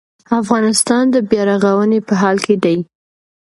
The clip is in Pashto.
افغانستان د بیا رغونې په حال کې دی